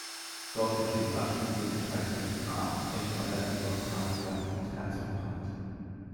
Dort bestehen Anschlussmöglichkeiten Richtung Aachen, Eschweiler, Übach-Palenberg und Herzogenrath.